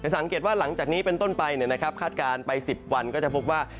สังเกตว่าหลังจากนี้เป็นต้นไปคาดการณ์ไป๑๐วันก็จะพบว่า